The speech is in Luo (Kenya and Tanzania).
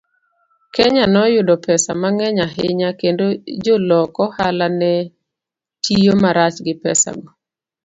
Kenya noyudo pesa mang'eny ahinya, kendo jolok ohala ne tiyo marach gi pesago.